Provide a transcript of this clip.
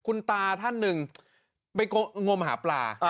คุณตาท่านหนึ่งไปงมหาปลา